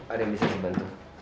ada yang bisa dibantu